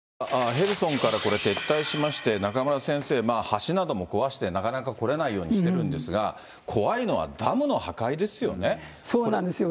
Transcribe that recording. ヘルソンから、これ、撤退しまして、中村先生、橋なども壊して、なかなか来れないようにしてるんですが、そうなんですよ。